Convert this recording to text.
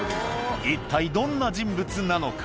一体どんな人物なのか。